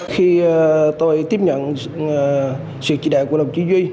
khi tôi tiếp nhận sự trị đại của đồng chí duy